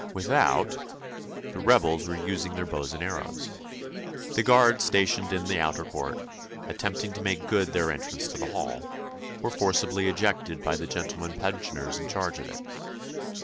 Without the rebels were using their bows and arrows. The guard stationed in the outer court, attempting to make good their entrance to the hall, were forcibly ejected by the gentlemen pensioners in charge of it.